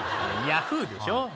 ヤフーでしょ？